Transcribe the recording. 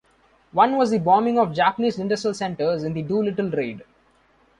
One was the bombing of Japanese industrial centres in the Doolittle Raid.